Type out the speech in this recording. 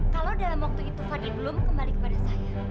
kalau dalam waktu itu fadli belum kembali kepada saya